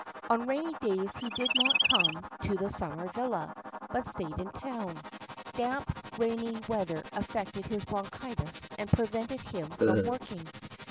On rainy days he did not come to the summer villa, but stayed in town; damp, rainy weather affected his bronchitis and prevented him from working.